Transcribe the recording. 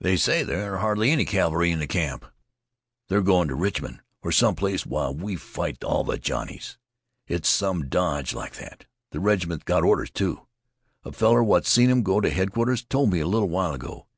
"They say there ain't hardly any cavalry left in camp. They're going to Richmond, or some place, while we fight all the Johnnies. It's some dodge like that. The regiment's got orders, too. A feller what seen 'em go to headquarters told me a little while ago.